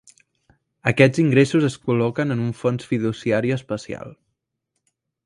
Aquests ingressos es col·loquen en un fons fiduciari especial.